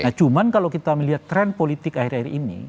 nah cuman kalau kita melihat tren politik akhir akhir ini